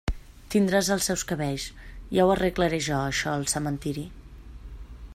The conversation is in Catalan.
Tindràs els seus cabells; ja ho arreglaré jo, això, al cementiri.